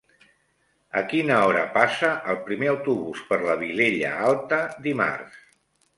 A quina hora passa el primer autobús per la Vilella Alta dimarts?